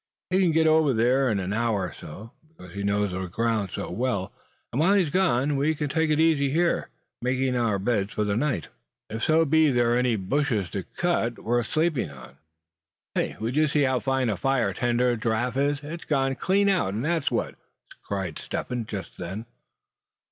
He can get over there in an hour or so, because he knows the ground so well. And while he's gone, we can take it easy here, making up our beds for the night; if so be there are any bushes to be cut, worth sleeping on." "Hey, would you see how fine a fire tender that Giraffe is; it's gone clean out, that's what?" cried Step Hen, just then.